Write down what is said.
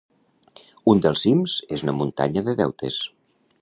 Un dels cims és una muntanya de deutes.